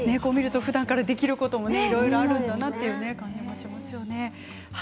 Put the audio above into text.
ふだんからできることもあるんだなという感じがしますね。